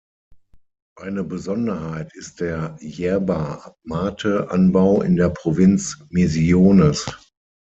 Eine Besonderheit ist der Yerba Mate-Anbau in der Provinz Misiones.